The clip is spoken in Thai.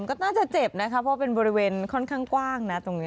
ก็จะเจ็บนะครับว่ามีบริเวณข้องค่างกว้างนะตรงนี้